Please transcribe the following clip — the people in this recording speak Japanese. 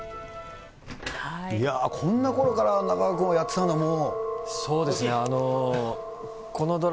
いやー、こんなころから中川君はやってたんだ、もう。